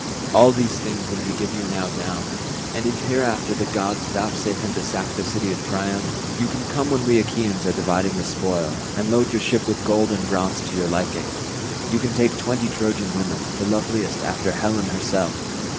All these things will he give you now down, and if hereafter the gods vouchsafe him to sack the city of Priam, you can come when we Achaeans are dividing the spoil, and load your ship with gold and bronze to your liking. You can take twenty Trojan women, the loveliest after Helen herself.